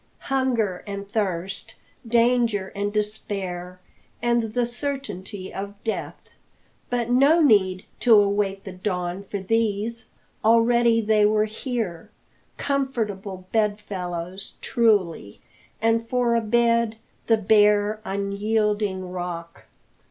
Hunger and thirst, danger and despair, and the certainty of death! But no need to await the dawn for these; already they were here. Comfortable bed fellows, truly, and for a bed the bare, unyielding rock.